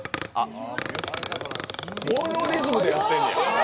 このリズムでやってんねや。